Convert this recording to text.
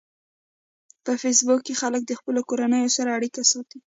په فېسبوک کې خلک د خپلو کورنیو سره اړیکه ساتي